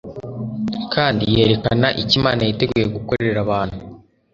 kandi yerekana icyo Imana yiteguye gukorera abantu